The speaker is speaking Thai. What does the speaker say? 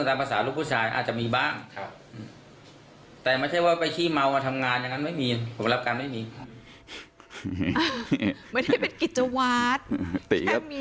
แต่ก็คิดว่าเป็นใครหรอก